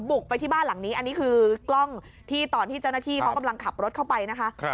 บุกไปที่บ้านหลังนี้อันนี้คือกล้องที่ตอนที่เจ้าหน้าที่เขากำลังขับรถเข้าไปนะคะ